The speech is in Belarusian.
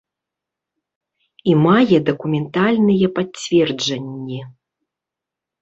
І мае дакументальныя пацверджанні.